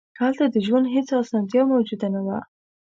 هلته د ژوند هېڅ اسانتیا موجود نه وه.